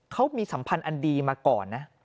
เขามีสัมพันธ์อันดีมาก่อนนะ